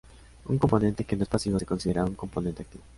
Un componente que no es pasivo se considera un componente activo.